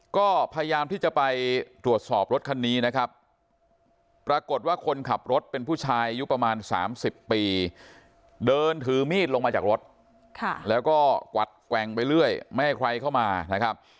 ก็พยายามที่จะไปตรวจสอบรถคันนี้นะครับปรากฏว่าคนขับรถเป็นผู้ชายอายุประมาณ๓๐ปีเดินถือมีดลงมาจากรถแล้วก็กวัดแกว่งไปเรื่อยไม่ให้ใครเข้ามานะครับ